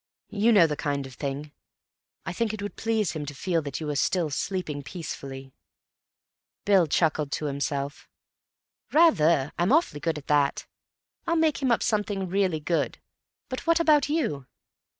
You know the kind of thing. I think it would please him to feel that you were still sleeping peacefully." Bill chuckled to himself. "Rather. I'm awfully good at that. I'll make him up something really good. But what about you?"